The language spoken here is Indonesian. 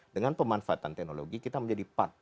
dengan pemanfaatan teknologi kita menjadi part